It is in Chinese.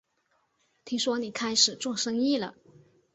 听说你开始做生意了